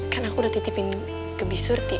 kan aku udah titipin ke bisurti